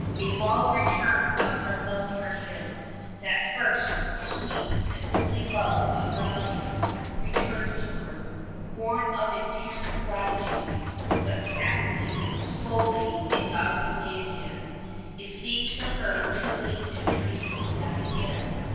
A wild return of her love for him that first, sweet, and only love of her life, returns to her, born of intense gratitude. But sadly, slowly, it dies away again. It seems to her too late to dream of that again.